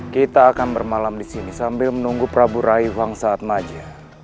kita akan bermalam disini sambil menunggu prabu raivang saat maja